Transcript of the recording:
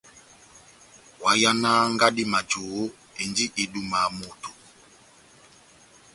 Ohahánaha ngadi majohó, endi edúmaha moto !